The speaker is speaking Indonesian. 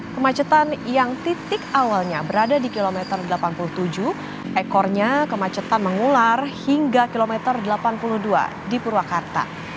kemacetan yang titik awalnya berada di kilometer delapan puluh tujuh ekornya kemacetan mengular hingga kilometer delapan puluh dua di purwakarta